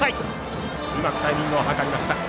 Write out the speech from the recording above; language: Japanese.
うまくタイミングを図りました。